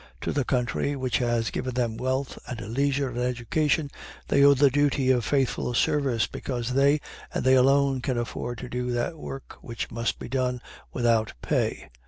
To the country which has given them wealth and leisure and education they owe the duty of faithful service, because they, and they alone, can afford to do that work which must be done without pay.